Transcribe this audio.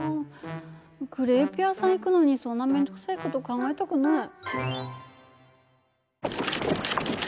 クレープ屋さん行くのにそんな面倒くさい事考えたくない。